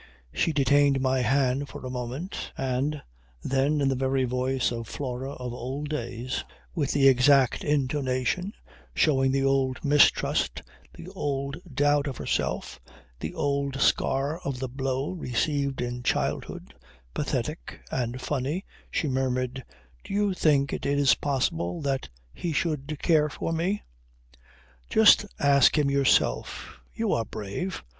She detained my hand for a moment and then in the very voice of the Flora of old days, with the exact intonation, showing the old mistrust, the old doubt of herself, the old scar of the blow received in childhood, pathetic and funny, she murmured, "Do you think it possible that he should care for me?" "Just ask him yourself. You are brave."